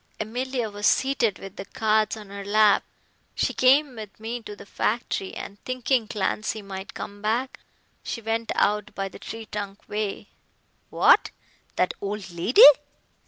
Emilia was seated with the cards on her lap. She came with me to the factory, and thinking Clancy might come back, she went out by the tree trunk way." "What, that old lady?"